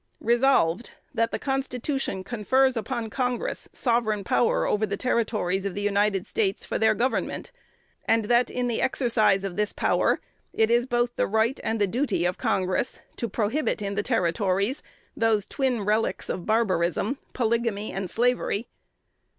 "Resolved, That the Constitution confers upon Congress sovereign power over the Territories of the United States for their government; and that, in the exercise of this power, it is both the right and the duty of Congress to prohibit in the Territories those twin relics of barbarism, polygamy and slavery."